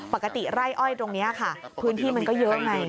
ปกติไร่อ้อยตรงนี้ค่ะพื้นที่มันก็เยอะไง